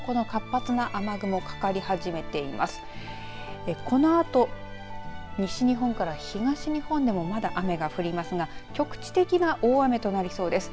このあと、西日本から東日本でもまだ雨が降りますが局地的な大雨となりそうです。